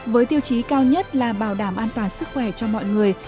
với tiêu chí cao nhất là bảo đảm an toàn sức khỏe cho mọi người